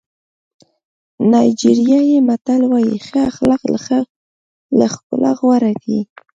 نایجیریایي متل وایي ښه اخلاق له ښکلا غوره دي.